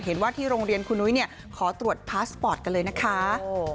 เห็นว่าที่โรงเรียนคุณนุ้ยเนี่ยขอตรวจพาสปอร์ตกันเลยนะคะ